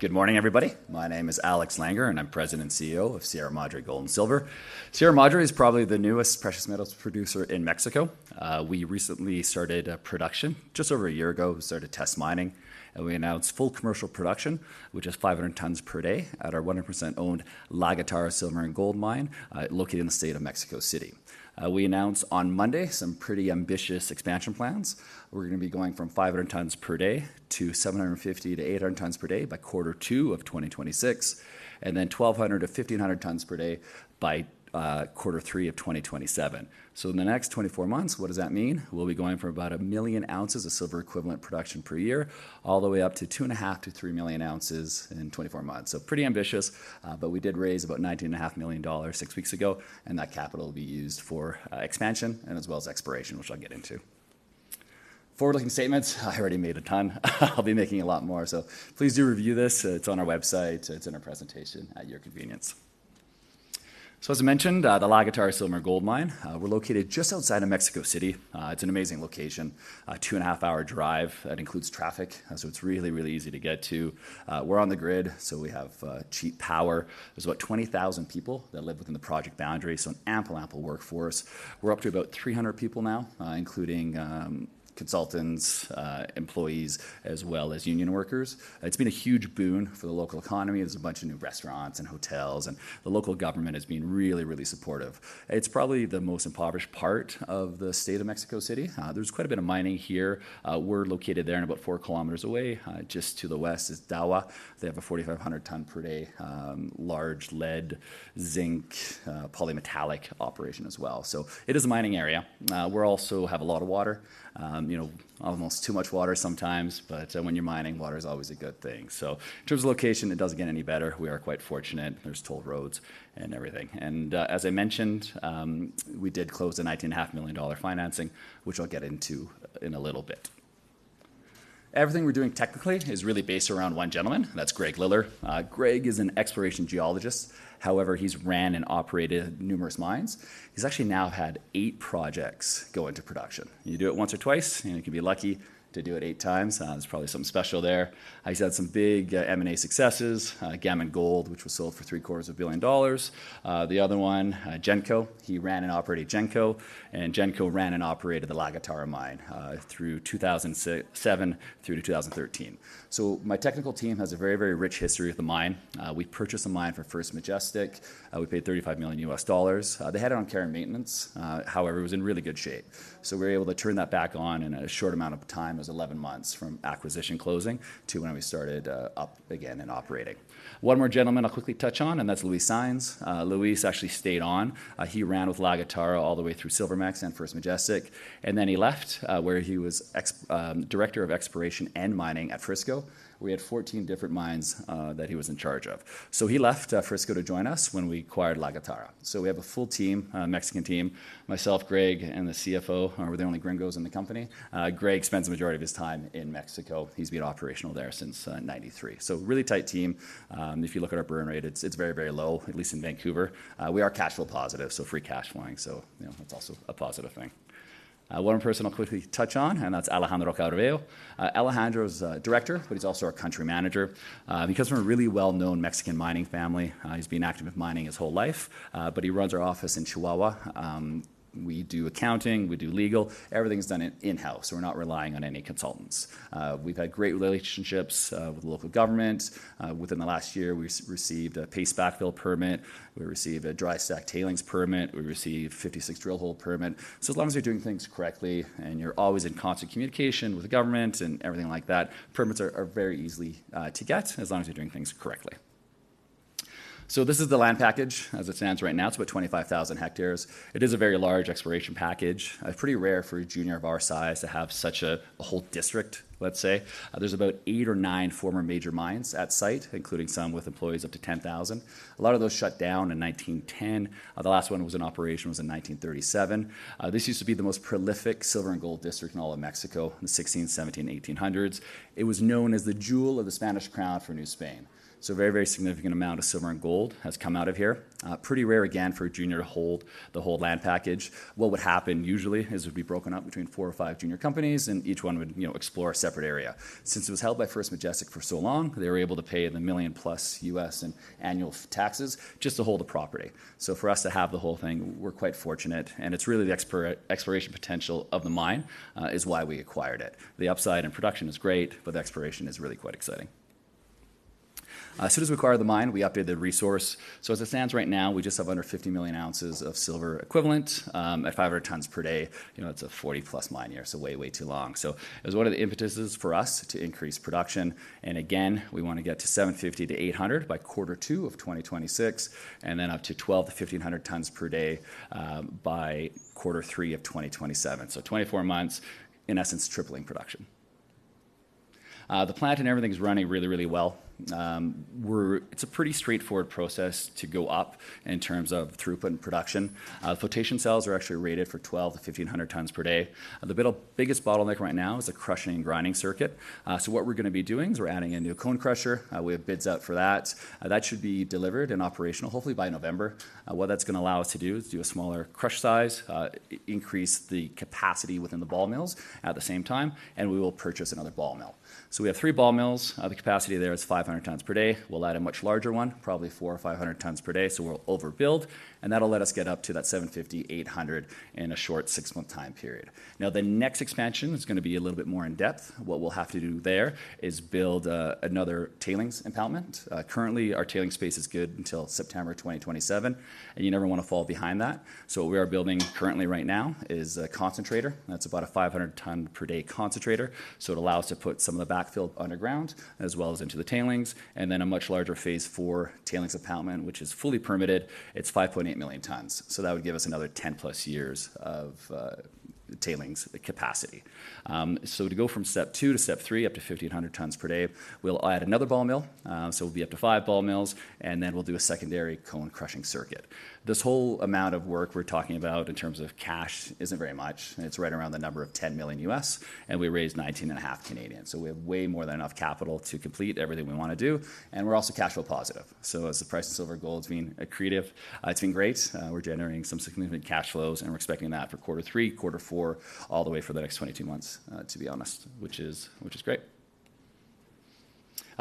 Good morning, everybody. My name is Alex Langer, and I'm President and CEO of Sierra Madre Gold and Silver. Sierra Madre is probably the newest precious metals producer in Mexico. We recently started production just over a year ago, we started test mining, and we announced full commercial production, which is 500 tons per day at our 100% owned La Guitarra Silver and Gold mine, located in the State of Mexico. We announced on Monday some pretty ambitious expansion plans. We're going to be going from 500 tons per day to 750 tons to 800 tons per day by quarter two of 2026, and then 1,200 tons to 1,500 tons per day by quarter three of 2027. So in the next 24 months, what does that mean? We'll be going from about a million ounces of silver equivalent production per year all the way up to 2.5 to 3 million ounces in 24 months, so pretty ambitious, but we did raise about 19.5 million dollars six weeks ago, and that capital will be used for expansion and as well as exploration, which I'll get into. Forward-looking statements. I already made a ton. I'll be making a lot more, so please do review this. It's on our website. It's in our presentation at your convenience, so as I mentioned, the La Guitarra Silver and Gold mine, we're located just outside of Mexico City. It's an amazing location, a two and a half hour drive that includes traffic, so it's really, really easy to get to. We're on the grid, so we have cheap power. There's about 20,000 people that live within the project boundary, so an ample, ample workforce. We're up to about 300 people now, including consultants, employees, as well as union workers. It's been a huge boon for the local economy. There's a bunch of new restaurants and hotels, and the local government has been really, really supportive. It's probably the most impoverished part of the State of Mexico. There's quite a bit of mining here. We're located there and about four kilometers away. Just to the west is Dowa. They have a 4,500 ton per day large lead zinc polymetallic operation as well. So it is a mining area. We also have a lot of water, you know, almost too much water sometimes, but when you're mining, water is always a good thing. So in terms of location, it doesn't get any better. We are quite fortunate. There's toll roads and everything. And as I mentioned, we did close the 19.5 million dollar financing, which I'll get into in a little bit. Everything we're doing technically is really based around one gentleman. That's Greg Liller. Greg is an exploration geologist. However, he's ran and operated numerous mines. He's actually now had eight projects go into production. You do it once or twice, and you can be lucky to do it eight times. There's probably something special there. He's had some big M&A successes, Gammon Gold, which was sold for $750 million. The other one, Genco. He ran and operated Genco, and Genco ran and operated the La Guitarra mine through 2007 through 2013. So my technical team has a very, very rich history with the mine. We purchased the mine from First Majestic. We paid $35 million U.S. dollars. They had it on care and maintenance. However, it was in really good shape. So we were able to turn that back on in a short amount of time. It was 11 months from acquisition closing to when we started up again and operating. One more gentleman I'll quickly touch on, and that's Luis Sáenz. Luis actually stayed on. He ran with La Guitarra all the way through Silvermex and First Majestic, and then he left where he was Director of Exploration and Mining at Frisco, where he had 14 different mines that he was in charge of. So he left Frisco to join us when we acquired La Guitarra. So we have a full team, a Mexican team. Myself, Greg, and the CFO are the only gringos in the company. Greg spends the majority of his time in Mexico. He's been operational there since 1993. So a really tight team. If you look at our burn rate, it's very, very low, at least in Vancouver. We are cash flow positive, so free cash flowing. So, you know, that's also a positive thing. One person I'll quickly touch on, and that's Alejandro Carrillo. Alejandro is a director, but he's also our country manager. He comes from a really well-known Mexican mining family. He's been active in mining his whole life, but he runs our office in Chihuahua. We do accounting. We do legal. Everything's done in-house. We're not relying on any consultants. We've had great relationships with the local government. Within the last year, we received a paste backfill permit. We received a dry stack tailings permit. We received a 56 drill hole permit. So as long as you're doing things correctly and you're always in constant communication with the government and everything like that, permits are very easy to get as long as you're doing things correctly. So this is the land package as it stands right now. It's about 25,000 hectares. It is a very large exploration package. It's pretty rare for a junior of our size to have such a whole district, let's say. There's about eight or nine former major mines at site, including some with employees up to 10,000. A lot of those shut down in 1910. The last one was in operation was in 1937. This used to be the most prolific silver and gold district in all of Mexico, the 1600s, 1700s, and 1800s. It was known as the jewel of the Spanish crown for New Spain. A very, very significant amount of silver and gold has come out of here. Pretty rare, again, for a junior to hold the whole land package. What would happen usually is it would be broken up between four or five junior companies, and each one would explore a separate area. Since it was held by First Majestic for so long, they were able to pay the $1 million plus U.S. and annual taxes just to hold the property. So for us to have the whole thing, we're quite fortunate, and it's really the exploration potential of the mine is why we acquired it. The upside in production is great, but the exploration is really quite exciting. As soon as we acquired the mine, we updated the resource. So as it stands right now, we just have under 50 million ounces of silver equivalent at 500 tons per day. You know, it's a 40+ mine here, so way, way too long. So it was one of the impetuses for us to increase production. And again, we want to get to 750 tons to 800 tons by quarter two of 2026, and then up to 1,200 tons to 1,500 tons per day by quarter three of 2027. So 24 months, in essence, tripling production. The plant and everything's running really, really well. It's a pretty straightforward process to go up in terms of throughput and production. Flotation cells are actually rated for 1,200 tons to 1,500 tons per day. The biggest bottleneck right now is a crushing and grinding circuit. So what we're going to be doing is we're adding a new cone crusher. We have bids out for that. That should be delivered and operational hopefully by November. What that's going to allow us to do is do a smaller crush size, increase the capacity within the ball mills at the same time, and we will purchase another ball mill. So we have three ball mills. The capacity there is 500 tons per day. We'll add a much larger one, probably 400 tons or 500 tons per day, so we'll overbuild, and that'll let us get up to that 750 tons to 800 tons in a short six-month time period. Now, the next expansion is going to be a little bit more in depth. What we'll have to do there is build another tailings impoundment. Currently, our tailings space is good until September 2027, and you never want to fall behind that. So what we are building currently right now is a concentrator. That's about a 500-ton per day concentrator. So it allows us to put some of the backfill underground as well as into the tailings, and then a much larger phase four tailings impoundment, which is fully permitted. It's 5.8 million tons. So that would give us another 10+ years of tailings capacity. So to go from step two to step three up to 1,500 tons per day, we'll add another ball mill. So we'll be up to five ball mills, and then we'll do a secondary cone crushing circuit. This whole amount of work we're talking about in terms of cash isn't very much. It's right around the number of $10 million, and we raised 19.5 million. So we have way more than enough capital to complete everything we want to do, and we're also cash flow positive. So as the price of silver and gold has been creative, it's been great. We're generating some significant cash flows, and we're expecting that for quarter three, quarter four, all the way for the next 22 months, to be honest, which is great.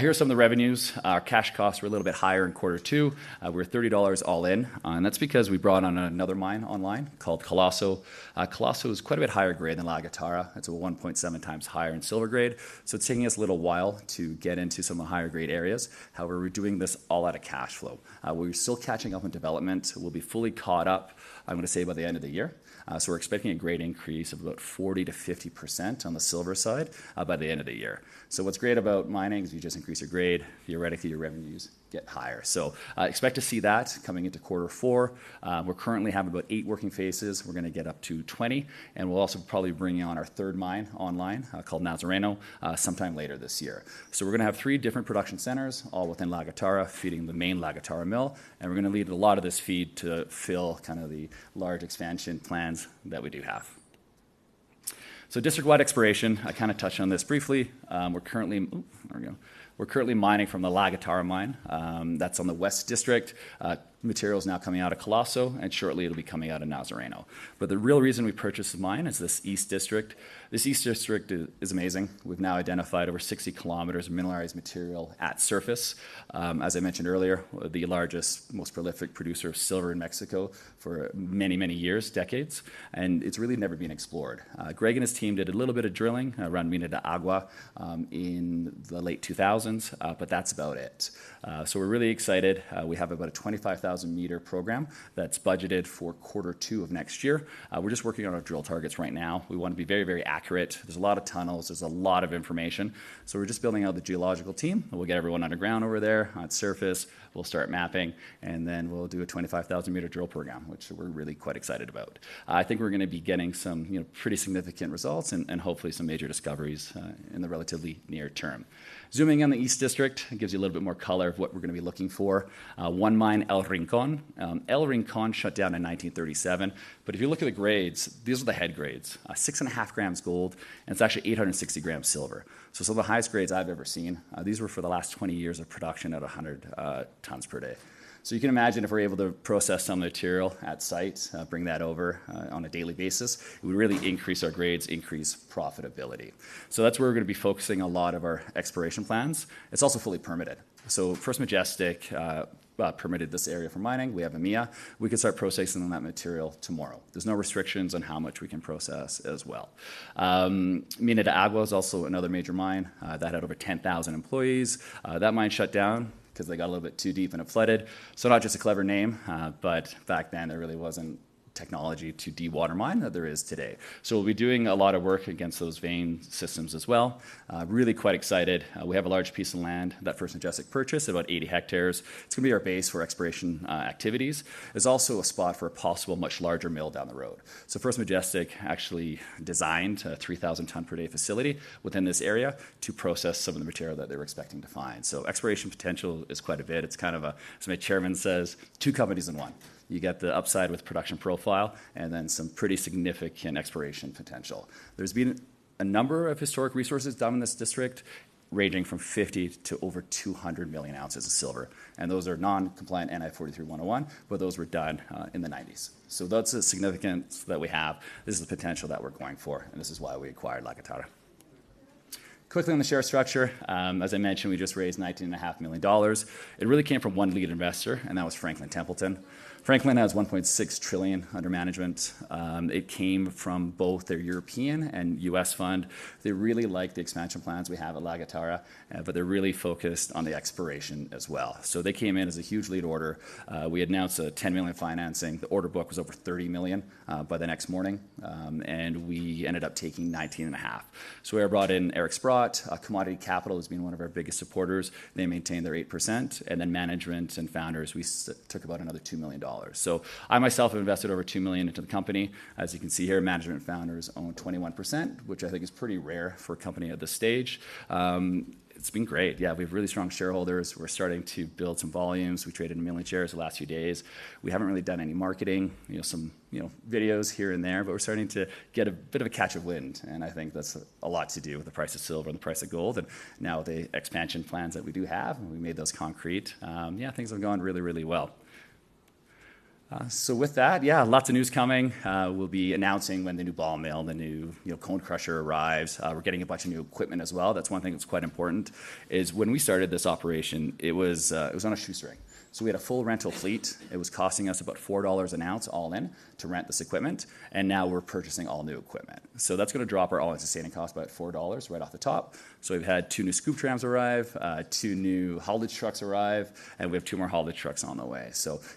Here are some of the revenues. Our cash costs were a little bit higher in quarter two. We were $30 all in, and that's because we brought on another mine online called Coloso. Coloso is quite a bit higher grade than La Guitarra. It's about 1.7x higher in silver grade, so it's taking us a little while to get into some of the higher grade areas. However, we're doing this all out of cash flow. We're still catching up on development. We'll be fully caught up, I'm going to say, by the end of the year. So we're expecting a grade increase of about 40% to 50% on the silver side by the end of the year. So what's great about mining is you just increase your grade. Theoretically, your revenues get higher. So expect to see that coming into quarter four. We're currently having about eight working phases. We're going to get up to 20, and we'll also probably bring on our third mine online called Nazareno sometime later this year. So we're going to have three different production centers all within La Guitarra feeding the main La Guitarra mill, and we're going to need a lot of this feed to fill kind of the large expansion plans that we do have. So district-wide exploration, I kind of touched on this briefly. We're currently mining from the La Guitarra mine. That's on the west district. Material is now coming out of Coloso, and shortly it'll be coming out of Nazareno. But the real reason we purchased the mine is this east district. This east district is amazing. We've now identified over 60 km of mineralized material at surface. As I mentioned earlier, the largest, most prolific producer of silver in Mexico for many, many years, decades, and it's really never been explored. Greg and his team did a little bit of drilling around Mina de Agua in the late 2000s, but that's about it. So we're really excited. We have about a 25,000 m program that's budgeted for quarter two of next year. We're just working on our drill targets right now. We want to be very, very accurate. There's a lot of tunnels. There's a lot of information. So we're just building out the geological team. We'll get everyone underground over there at surface. We'll start mapping, and then we'll do a 25,000 m drill program, which we're really quite excited about. I think we're going to be getting some pretty significant results and hopefully some major discoveries in the relatively near term. Zooming in on the east district, it gives you a little bit more color of what we're going to be looking for. One mine, El Rincón. El Rincón shut down in 1937, but if you look at the grades, these are the head grades. Six and a half grams gold, and it's actually 860 grams silver. So some of the highest grades I've ever seen. These were for the last 20 years of production at 100 tons per day. So you can imagine if we're able to process some material at site, bring that over on a daily basis, it would really increase our grades, increase profitability. So that's where we're going to be focusing a lot of our exploration plans. It's also fully permitted. So First Majestic permitted this area for mining. We have the MIA. We could start processing that material tomorrow. There's no restrictions on how much we can process as well. Mina de Agua is also another major mine that had over 10,000 employees. That mine shut down because they got a little bit too deep and it flooded. So not just a clever name, but back then there really wasn't technology to dewater the mine that there is today. So we'll be doing a lot of work against those vein systems as well. I'm really quite excited. We have a large piece of land that First Majestic purchased, about 80 hectares. It's going to be our base for exploration activities. It's also a spot for a possible much larger mill down the road. First Majestic actually designed a 3,000-ton per day facility within this area to process some of the material that they were expecting to find. Exploration potential is quite a bit. It's kind of a, as my chairman says, two companies in one. You get the upside with production profile and then some pretty significant exploration potential. There's been a number of historic resources done in this district ranging from 50 to over 200 million ounces of silver. And those are non-compliant NI 43-101, but those were done in the 1990s. That's the significance that we have. This is the potential that we're going for, and this is why we acquired La Guitarra. Quickly on the share structure. As I mentioned, we just raised $19.5 million. It really came from one lead investor, and that was Franklin Templeton. Franklin has $1.6 trillion under management. It came from both a European and U.S. fund. They really like the expansion plans we have at La Guitarra, but they're really focused on the exploration as well. So they came in as a huge lead order. We announced a 10 million financing. The order book was over 30 million by the next morning, and we ended up taking 19.5 million. So we brought in Eric Sprott. Commodity Capital has been one of our biggest supporters. They maintained their 8%, and then management and founders, we took about another 2 million dollars. So I myself have invested over 2 million into the company. As you can see here, management and founders own 21%, which I think is pretty rare for a company at this stage. It's been great. Yeah, we have really strong shareholders. We're starting to build some volumes. We traded 1 million shares in the last few days. We haven't really done any marketing. You know, some videos here and there, but we're starting to get a bit of a catch of wind, and I think that's a lot to do with the price of silver and the price of gold. And now the expansion plans that we do have and we made those concrete. Yeah, things have gone really, really well. So with that, yeah, lots of news coming. We'll be announcing when the new ball mill and the new cone crusher arrives. We're getting a bunch of new equipment as well. That's one thing that's quite important is when we started this operation, it was on a shoestring. So we had a full rental fleet. It was costing us about $4 an ounce all in to rent this equipment, and now we're purchasing all new equipment. That's going to drop our all-in sustaining cost by $4 right off the top. We've had two new scoop trams arrive, two new haulage trucks arrive, and we have two more haulage trucks on the way.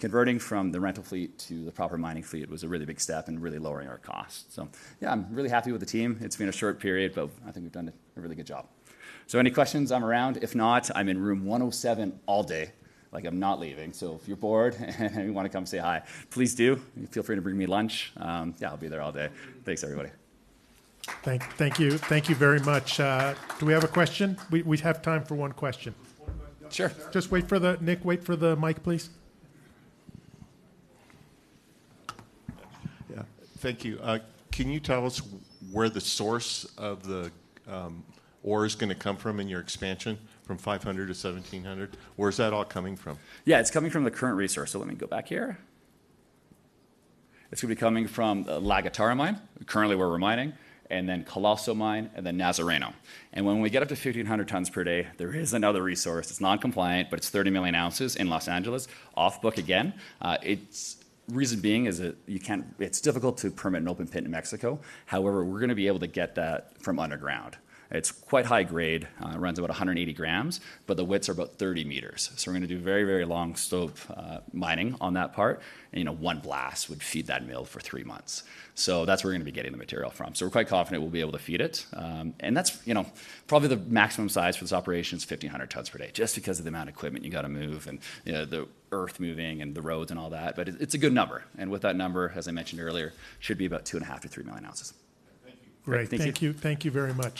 Converting from the rental fleet to the proper mining fleet was a really big step in really lowering our cost. Yeah, I'm really happy with the team. It's been a short period, but I think we've done a really good job. Any questions? I'm around. If not, I'm in room 107 all day. Like, I'm not leaving. If you're bored and you want to come say hi, please do. Feel free to bring me lunch. Yeah, I'll be there all day. Thanks, everybody. Thank you. Thank you very much. Do we have a question? We have time for one question. Sure. Just wait for the, Nick, wait for the mic please. Can you tell us where the source of the ore is going to come from in your expansion from 500 tons to 1,700 tons? Where is that all coming from? Yeah, it's coming from the current resource. So let me go back here. It's going to be coming from the La Guitarra Mine, currently where we're mining, and then Coloso Mine, and then Nazareno. And when we get up to 1,500 tons per day, there is another resource. It's non-compliant, but it's 30 million ounces in Los Angeles, off-book again. The reason being is that it's difficult to permit an open pit in Mexico. However, we're going to be able to get that from underground. It's quite high grade. It runs about 180 grams, but the widths are about 30 meters. So we're going to do very, very long slope mining on that part. You know, one blast would feed that mill for three months. So that's where we're going to be getting the material from. So we're quite confident we'll be able to feed it. And that's, you know, probably the maximum size for this operation is 1,500 tons per day, just because of the amount of equipment you got to move and the earth moving and the roads and all that. But it's a good number. And with that number, as I mentioned earlier, should be about 2.5-3 million ounces. Thank you. Great. Thank you very much.